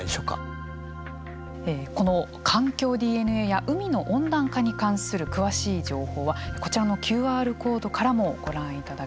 ＤＮＡや海の温暖化に関する詳しい情報はこちらのＱＲコードからもご覧いただけます。